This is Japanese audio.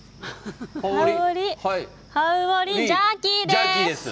ジャーキーです。